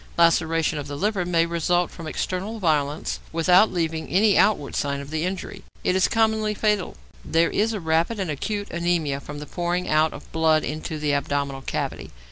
Laceration of the liver may result from external violence without leaving any outward sign of the injury; it is commonly fatal. There is rapid and acute anæmia from the pouring out of blood into the abdominal cavity.